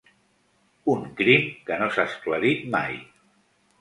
Un crim que no s’ha esclarit mai.